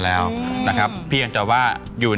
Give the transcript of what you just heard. แม่บ้านพระจันทร์บ้าน